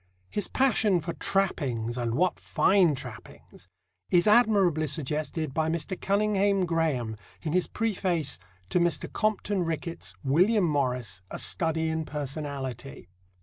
His passion for trappings and what fine trappings! is admirably suggested by Mr. Cunninghame Graham in his preface to Mr. Compton Rickett's William Morris: a Study in Personality.